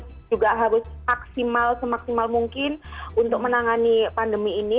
jadi dari pemerintah juga harus maksimal semaksimal mungkin untuk menangani pandemi ini